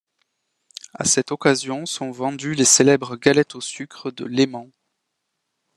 À cette occasion sont vendues les célèbres galettes au sucre de Leyment.